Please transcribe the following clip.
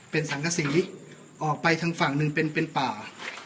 เป็นสังกษีออกไปทางฝั่งหนึ่งเป็นป่า